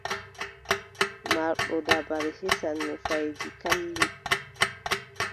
Marɗo dabare hisan nufayeeji kalliɗi.